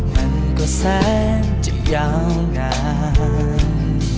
มันก็แสนจะยาวนาน